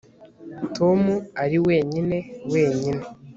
tom ari wenyine wenyine